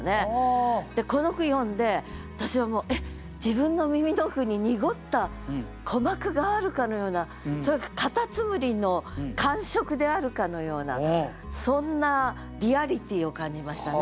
この句読んで私はもうえっ自分の耳の奥に濁った鼓膜があるかのようなそれが蝸牛の感触であるかのようなそんなリアリティーを感じましたね。